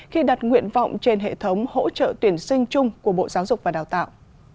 khi đặt nguyện vọng trên hệ thống hỗ trợ tuyển sinh chung của bộ giáo dục và đào tạo